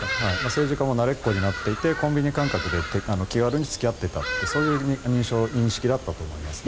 政治家も慣れっこになってコンビニ感覚で気軽に付き合っていたというそういう認識、印象だったと思います。